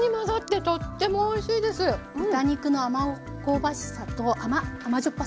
豚肉のあま香ばしさとあま甘じょっぱさ？